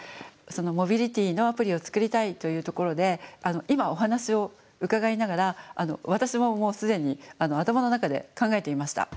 モビリティーのアプリを作りたいというところで今お話を伺いながら私ももう既に頭の中で考えていました。